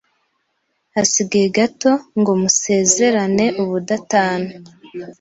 Hasigaye gato ngo musezerane ubudatana